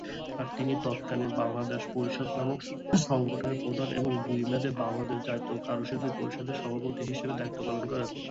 তিনি তৎকালীন বাংলাদেশ পরিষদ নামক সংগঠনের প্রধান এবং দুই মেয়াদে বাংলাদেশ জাতীয় কারুশিল্প পরিষদের সভাপতি হিসেবে দায়িত্ব পালন করেন।